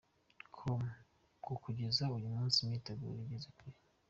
com ko kugeza uyu munsi imyiteguro igeze kure.